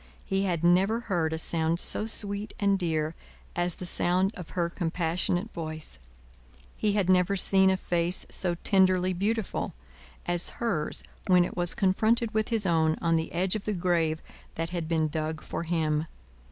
He had never heard a sound so sweet and dear as the sound of her compassionate voice; he had never seen a face so tenderly beautiful, as hers when it was confronted with his own on the edge of the grave that had been dug for him.